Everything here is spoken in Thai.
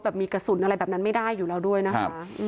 มีกระสุนอะไรแบบนั้นไม่ได้อยู่แล้วด้วยนะคะ